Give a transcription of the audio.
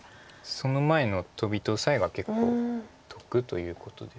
その前のトビとオサエが結構得ということです。